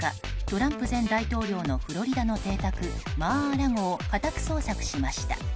トランプ前大統領のフロリダの邸宅マー・ア・ラゴを家宅捜索しました。